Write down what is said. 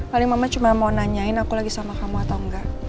paling mama cuma mau nanyain aku lagi sama kamu atau enggak